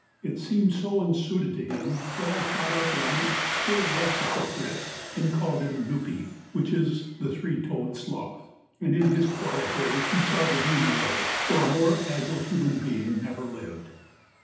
It seemed so unsuited to him that I thought up one still less appropriate and called him Nupee which is the three toed sloth; and in his quiet way he saw the humor of it, for a more agile human being never lived.